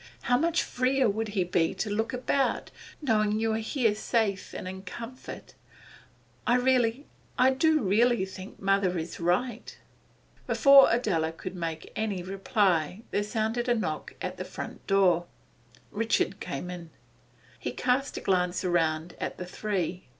How much freer he would be to look about, knowing you are here safe and in comfort. I really I do really think mother is right.' Before Adela could make any reply there sounded a knock at the front door; Richard came in. He cast a glance round at the three.